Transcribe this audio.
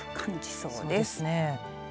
そうですね。